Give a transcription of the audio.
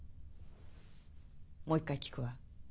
もう一回聞くわ。